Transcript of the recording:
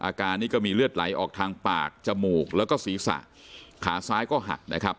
อาการนี้ก็มีเลือดไหลออกทางปากจมูกแล้วก็ศีรษะขาซ้ายก็หักนะครับ